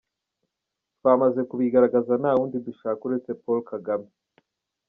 Twamaze kubigaragaza nta wundi dushaka uretse Paul Kagame”.